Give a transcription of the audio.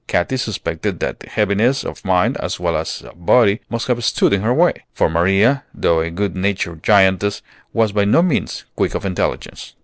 Katy suspected that heaviness of mind as well as of body must have stood in her way; for Maria, though a good natured giantess, was by no means quick of intelligence.